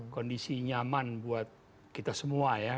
kondisi nyaman buat kita semua ya